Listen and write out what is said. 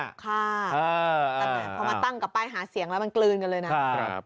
แต่แหมพอมาตั้งกับป้ายหาเสียงแล้วมันกลืนกันเลยนะ